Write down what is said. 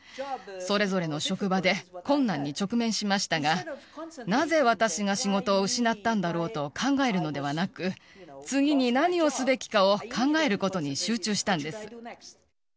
それぞれの職場で困難に直面しましたが、なぜ私が仕事を失ったんだろうと考えるのではなく、次に何をすべきかを考えることに集中したんです。